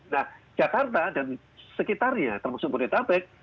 nah jakarta dan sekitarnya termasuk budaya tapek